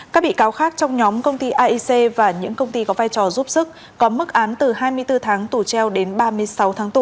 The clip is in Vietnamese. các bị cáo khác trong nhóm công ty aic và những công ty có vai trò giúp sức có mức án từ hai mươi bốn tháng tù treo đến ba mươi sáu tháng tù